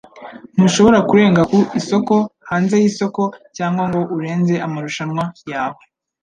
Ntushobora kurenga ku isoko, hanze y'isoko cyangwa ngo urenze amarushanwa yawe,